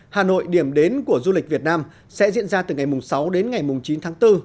hà nội điểm đến của du lịch việt nam sẽ diễn ra từ ngày sáu đến ngày chín tháng bốn